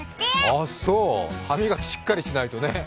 ああそう、歯磨きしっかりしないとね。